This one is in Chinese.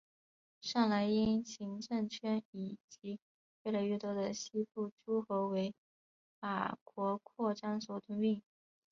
上莱茵行政圈以及越来越多的西部诸侯为法国扩张所吞并。